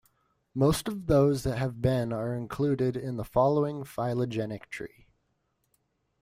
Most of those that have been are included in the following phylogenetic tree.